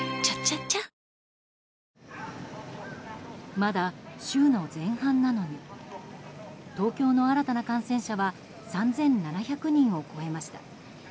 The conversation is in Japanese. まだ週の前半なのに東京の新たな感染者は３７００人を超えました。